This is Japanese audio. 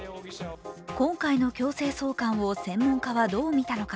今回の強制送還を専門家はどうみたのか。